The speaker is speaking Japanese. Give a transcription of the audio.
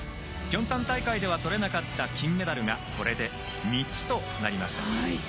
ピョンチャン大会ではとれなかった金メダルがこれで３つとなりました。